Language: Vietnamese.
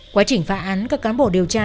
quá trình phá án các cán bộ điều tra